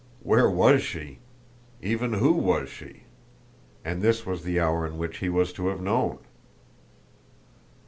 Where was she? Even WHO was she? And this was the hour in which he was to have known!